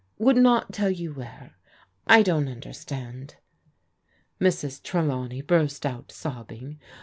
" Would not tell you where ? I don't understand.'' Mrs. Trelawney burst out sobbing.